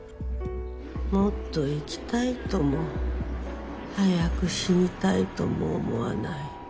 もっと生きたいとも早く死にたいとも思わない。